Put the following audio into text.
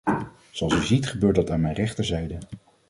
Zoals u ziet gebeurt dat aan mijn rechterzijde.